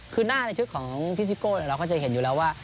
คือหน้าในชุดของพี่ซิโก้เราก็จะเห็นอยู่แล้วว่า